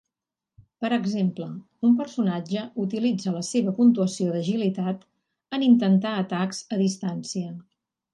Per exemple, un personatge utilitza la seva puntuació d'agilitat en intentar atacs a distància.